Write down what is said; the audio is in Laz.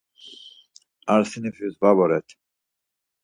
Ar sinifis var voret.